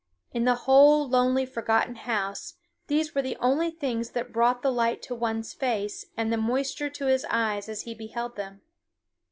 In the whole lonely forgotten house these were the only things that brought the light to one's face and the moisture to his eyes as he beheld them.